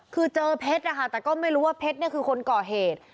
คือเจอเพชรนะคะแต่ก็ไม่รู้ว่าเพชรเนี่ยคือคนก่อเหตุ